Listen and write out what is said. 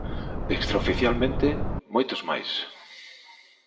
Extraoficialmente, moitos máis.